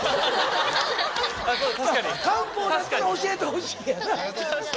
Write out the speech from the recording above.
漢方だったら教えてほしいんやな。